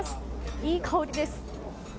いい香りです。